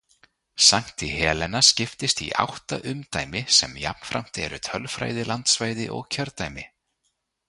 Sankti Helena skiptist í átta umdæmi sem jafnframt eru tölfræðilandsvæði og kjördæmi.